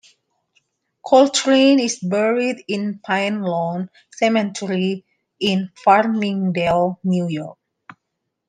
Coltrane is buried at Pinelawn Cemetery in Farmingdale, New York.